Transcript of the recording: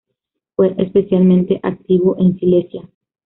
Fue especialmente activo en Silesia.